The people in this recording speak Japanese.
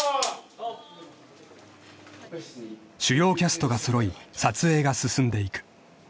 ［主要キャストが揃い撮影が進んでいく］